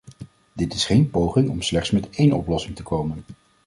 Dit is geen poging om slechts met één oplossing te komen.